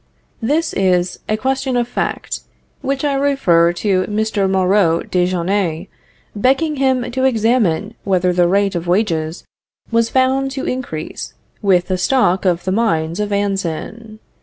This is a question of fact, which I refer to Mr. Moreau de Jonnès, begging him to examine whether the rate of wages was found to increase with the stock of the mines of Anzin.